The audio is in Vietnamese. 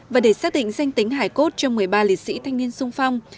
và để xác định danh tính hải cốt cho một mươi ba liệt sĩ thanh niên sung phong